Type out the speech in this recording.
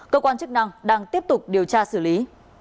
cơ quan chức năng đang tiếp tục điều tra xử lý